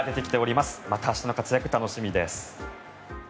また明日の活躍楽しみです。